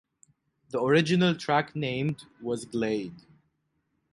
The original track named was "Glade".